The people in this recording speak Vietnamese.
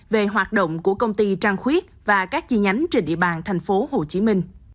về hoạt động của công ty trang khuyết và các chi nhánh trên địa bàn tp hcm